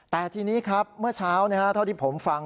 แต่ทีนี้ครับเมื่อเช้าเท่าที่ผมฟัง